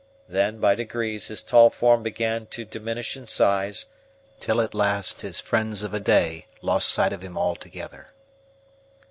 Then by degrees his tall form began to diminish in size, till at last his friends of a day lost sight of him altogether.